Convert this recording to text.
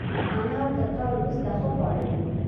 انار د کار وروسته ښه خواړه دي.